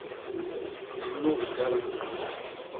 Linut jada.